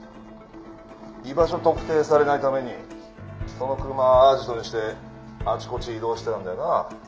「居場所特定されないためにその車をアジトにしてあちこち移動してたんだよな？」